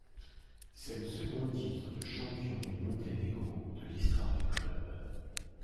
C'est le second titre de champion du Monténégro de l'histoire du club.